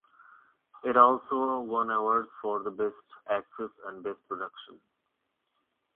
It also won awards for the Best Actress and Best Production.